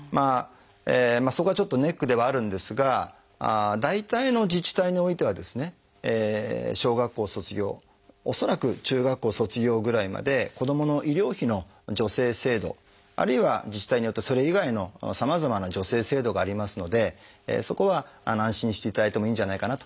そこはちょっとネックではあるんですが大体の自治体においてはですね小学校卒業恐らく中学校卒業ぐらいまで子どもの医療費の助成制度あるいは自治体によってはそれ以外のさまざまな助成制度がありますのでそこは安心していただいてもいいんじゃないかなというふうに思います。